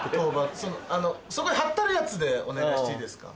そこに張ってあるやつでお願いしていいですか？